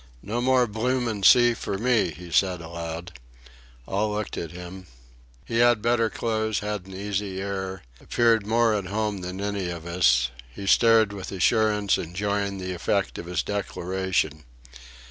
"No more bloomin' sea fur me," he said, aloud. All looked at him. He had better clothes, had an easy air, appeared more at home than any of us; he stared with assurance, enjoying the effect of his declaration.